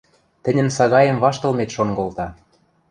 Тӹньӹн сагаэм ваштылмет шон колта.